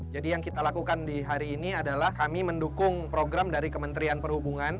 jadi yang kita lakukan di hari ini adalah kami mendukung program dari kementerian perhubungan